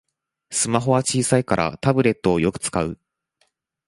スマホは小さいからタブレットをよく使う